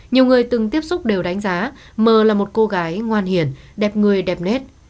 nhiều người từng tiếp xúc đều đánh giá m là một cô gái ngoan hiển đẹp người đẹp nết